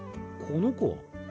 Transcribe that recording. この子は？